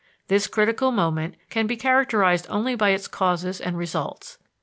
This critical moment can be characterized only by its causes and results.